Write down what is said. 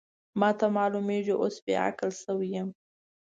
ما ته معلومېږي اوس بې عقله شوې یم.